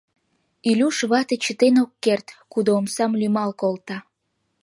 Илюш вате чытен ок керт, кудо омсам лӱмал колта.